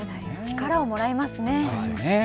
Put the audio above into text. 力をもらいますね。